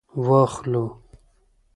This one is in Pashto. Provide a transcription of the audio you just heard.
وا خلکو!